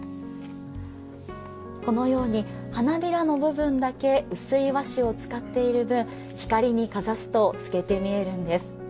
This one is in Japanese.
このように花びらの部分だけ薄い和紙を使っている分光にかざすと透けて見えるんです。